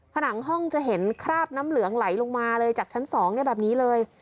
ผนังห้องจะเห็นคราบน้ำเหลืองไหลลงมาเลยจากชั้น๒แบบนี้เลย